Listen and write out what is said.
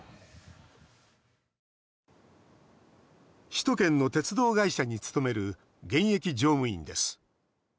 首都圏の鉄道会社に勤める現役乗務員です。